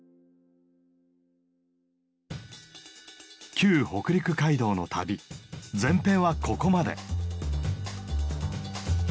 旧北陸街道の旅前編はここまで。